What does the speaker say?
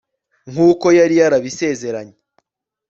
nk'uko yari yarabisezeranye